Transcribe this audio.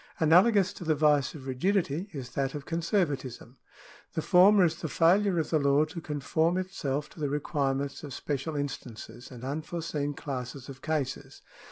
Analogous to the vice of rigidity is that of conservatism. The former is the failure of the law to conform itself to the requirements of special instances and unforeseen classes of cases.